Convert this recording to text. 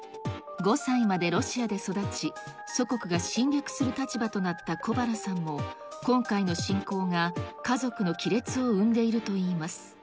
５歳までロシアで育ち、祖国が侵略する立場となった小原さんも今回の侵攻が家族の亀裂を生んでいるといいます。